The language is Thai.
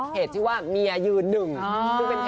เพจชื่อว่าเมียยืน๑